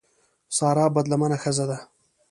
سارا بدلمنه ښځه ده.